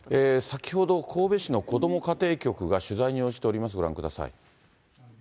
先ほど、神戸市の子ども家庭局が取材に応じております、ご覧ください。